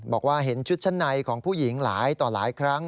บอกว่าเห็นชุดชั้นในของผู้หญิงหลายต่อหลายครั้ง